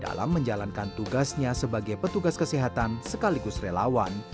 dalam menjalankan tugasnya sebagai petugas kesehatan sekaligus relawan